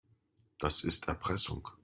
Das ist Erpressung.